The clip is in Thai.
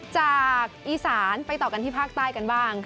จากอีสานไปต่อกันที่ภาคใต้กันบ้างค่ะ